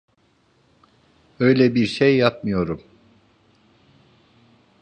Öyle bir şey yapmıyorum.